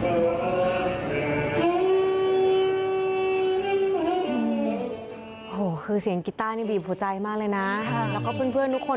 โอ้โหคือเสียงกีต้านี่บีบหัวใจมากเลยนะแล้วก็เพื่อนทุกคน